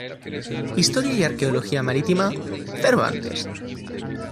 Historia y Arqueología Marítima Cervantes